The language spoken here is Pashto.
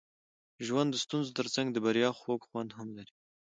ژوند د ستونزو ترڅنګ د بریا خوږ خوند هم لري.